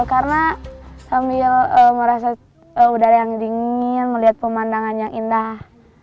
karena sambil merasa udara yang dingin melihat pemandangan yang indah